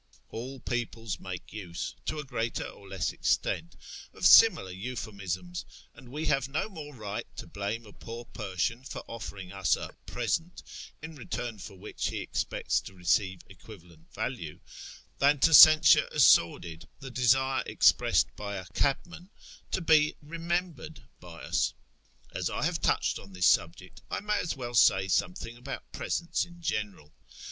All peoples make use, to a greater or less extent, of similar euphemisms, and we have no more right to blame a poor Persian for offering us a " present," in return for which he expects to receive equivalent value, than to censure as sordid the desire expressed by a cabman to be " remembered " by us. As I have touched on this subject, I may as well say something about presents in general.